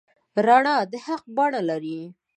رڼا د حق بڼه لري.